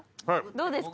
どうですか？